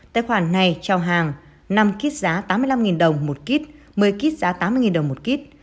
tài khoản này trao hàng năm kết giá tám mươi năm đồng một kết một mươi kết giá tám mươi đồng một kết